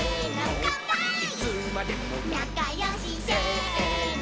「なかよし」「せーの」